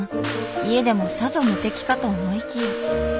家でもさぞ無敵かと思いきや。